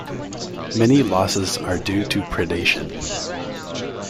Many losses are due to predation.